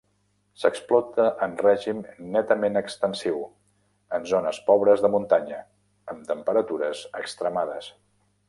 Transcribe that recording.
S'explota en règim netament extensiu, en zones pobres de muntanya, amb temperatures extremades.